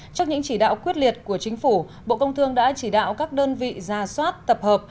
trước những chỉ đạo quyết liệt của chính phủ bộ công thương đã chỉ đạo các đơn vị ra soát tập hợp